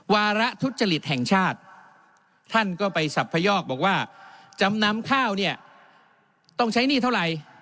วาระทุจริตแห่งชาติท่านก็ไปสับพยอกบอกว่าจำนำข้าวเนี่ยต้องใช้หนี้เท่าไหร่